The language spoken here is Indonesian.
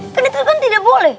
kan itu kan tidak boleh